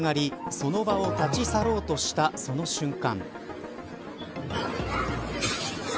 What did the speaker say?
その場を立ち去ろうとしたその瞬間。